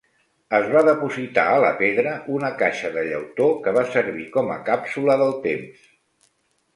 Es va depositar a la pedra una caixa de llautó que va servir com a càpsula del temps.